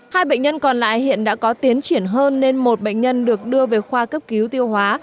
hai bệnh nhân còn lại hiện đã có tiến triển hơn nên một bệnh nhân được đưa về khoa cấp cứu tiêu hóa